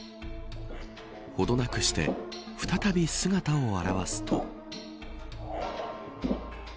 程なくして、再び姿を現すと。